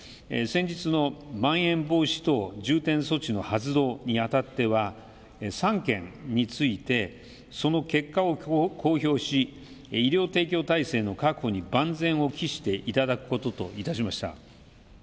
先日の、まん延防止等重点措置の発動にあたっては３県についてその結果を公表し医療提供体制の確保に万全を期していただくことといたしました。